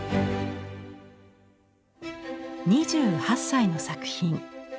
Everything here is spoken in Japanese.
２８歳の作品。